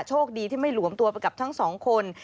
โชคดีที่ไม่หลวมตัวไปกับทั้งสองคน